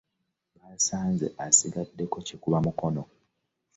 Baasanze asigaddeko kikuba mukono.